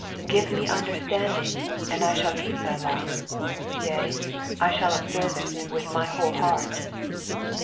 34 Give me understanding, and I shall keep thy law ; yea, I shall observe it with my whole heart.